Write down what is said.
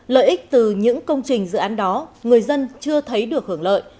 lợi ích từ những công trình dự án đó người dân chưa thấy được hưởng lợi